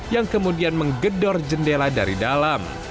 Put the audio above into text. yang kemudian menggedor jendela dari dalam